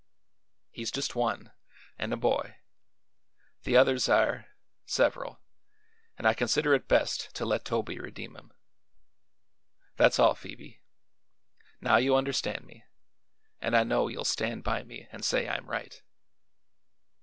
He's just one, an' a boy; the others are sev'ral, and I consider it best to let Toby redeem 'em. That's all, Phoebe. Now you understand me, and I know you'll stand by me and say I'm right."